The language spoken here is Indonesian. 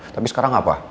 tapi sekarang apa